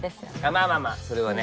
まあまあまあそれはね。